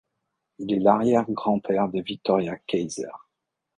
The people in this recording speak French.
Il est l'arrière-grand-père de Victoria Kayser.